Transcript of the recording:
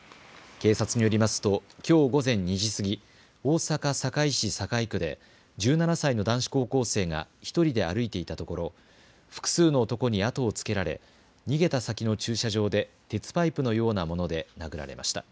警察によりますときょう午前２時過ぎ、大阪堺市堺区で１７歳の男子高校生が１人で歩いていたところ複数の男に後をつけられ逃げた先の駐車場で鉄パイプのようなもので殴られました。